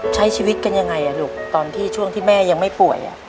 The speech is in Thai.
ใช้ชีวิตกันยังไงลูกตอนที่ช่วงที่แม่ยังไม่ป่วย